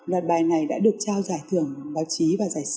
loạt bài này đã được trao giải thưởng báo chí và giải c